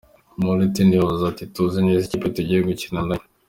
Milutin yavuze ati : "Tuzi neza ikipe tugiye gukina nayo.